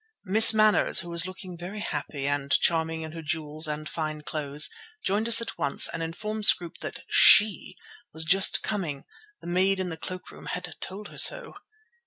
Miss Manners, who was looking very happy and charming in her jewels and fine clothes, joined us at once, and informed Scroope that "she" was just coming; the maid in the cloakroom had told her so.